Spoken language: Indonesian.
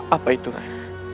apa itu rai